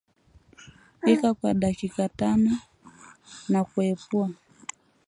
Pika kwa dakika tanona kuipua